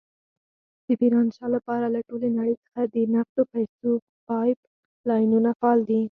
د ميرانشاه لپاره له ټولې نړۍ څخه د نقدو پيسو پایپ لاینونه فعال دي.